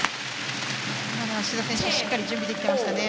今のは志田選手もしっかり準備できていましたね。